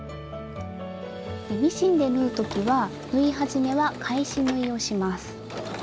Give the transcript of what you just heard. ミシンで縫う時は縫い始めは返し縫いをします。